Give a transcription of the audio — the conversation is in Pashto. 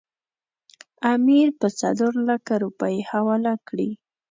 امیر به څلورلکه روپۍ حواله کړي.